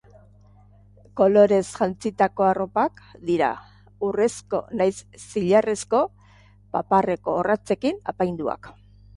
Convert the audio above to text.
Kolorez jantzitako arropak dira, urrezko nahiz zilarrezko paparreko orratzekin apainduak.